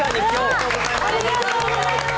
ありがとうございます。